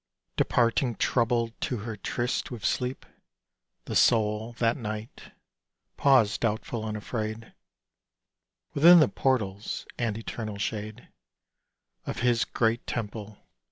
Departing troubled to her tryst with Sleep, The soul, that night, paused doubtful and afraid Within the portals and eternal shade Of his great temple.